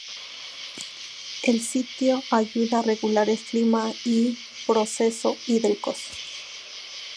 El sitio ayuda a regular el clima y proceso hídricos.